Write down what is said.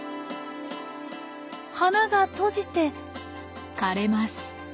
花が閉じて枯れます。